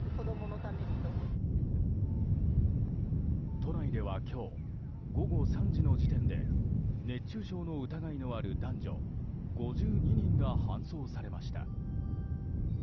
都内では今日午後３時の時点で熱中症の疑いのある男女５２人が搬送されました。